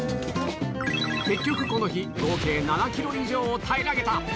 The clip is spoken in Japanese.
結局この日、合計７キロ以上を平らげた。